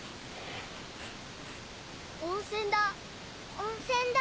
温泉だ！